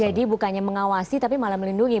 jadi bukannya mengawasi tapi malah melindungi